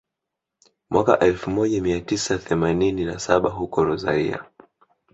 mwaka elfu moja mia tisa themanini na saba huko Rosario